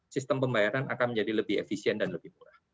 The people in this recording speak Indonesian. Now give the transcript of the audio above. sistem pembayaran akan menjadi lebih efisien dan lebih murah